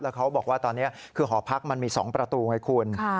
เขาบอกว่าตอนนี้คือหอพักมันมี๒ประตูไงคุณ